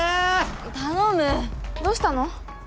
頼むどうしたの？